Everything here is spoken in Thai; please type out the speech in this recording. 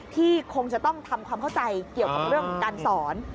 คงจะต้องทำความเข้าใจเกี่ยวกับเรื่องของการสอน